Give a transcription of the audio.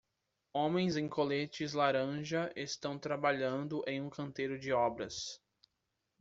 Homens em coletes laranja estão trabalhando em um canteiro de obras.